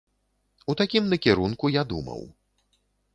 У такім накірунку я думаў.